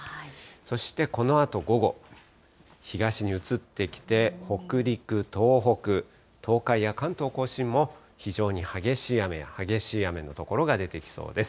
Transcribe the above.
そしてこのあと午後、東に移ってきて、北陸、東北、東海や関東甲信も、非常に激しい雨や、激しい雨の所が出てきそうです。